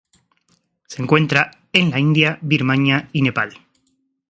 Se encuentra en la India Birmania y Nepal.